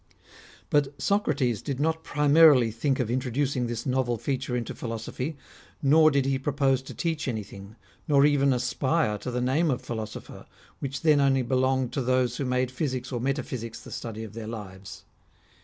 But Socrates did not primarily think of introducing this novel feature into philosophy, nor did he propose to teach anything, nor even aspire to the name of philosopher, which then only belonged to those who made physics or metaphysics the study of their lives.